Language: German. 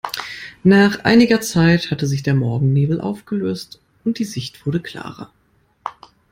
Nach einiger Zeit hatte sich der Morgennebel aufgelöst und die Sicht wurde klarer.